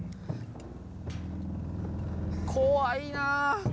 怖いな！